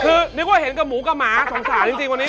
คือนึกว่าเห็นกับหมูกับหมาสงสารจริงวันนี้